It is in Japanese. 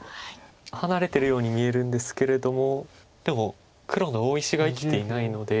離れてるように見えるんですけれどもでも黒の大石が生きていないので。